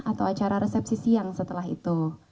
atau acara resepsi siang setelah itu